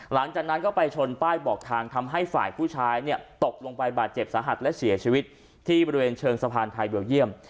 หลังจากนั้นก็ไปชนป้ายบอกทางทำให้ฝ่ายผู้ชายเนี่ยตกลงไปบาดเจ็บสาหัสและเสียชีวิตที่บริเวณเชิงสะพานไทยเบลเยี่ยม